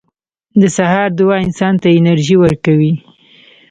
• د سهار دعا انسان ته انرژي ورکوي.